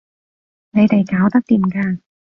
你哋搞得掂㗎